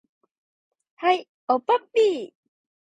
はい、おっぱっぴー